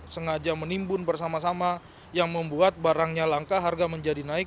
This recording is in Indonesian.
sengaja menimbun bersama sama yang membuat barangnya langka harga menjadi naik